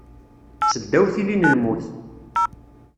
Seddaw tilli n lmut.